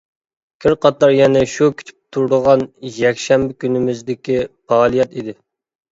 كىر-قاتلار يەنە شۇ كۈتۈپ تۇرىدىغان يەكشەنبە كۈنىمىزدىكى پائالىيەت ئىدى.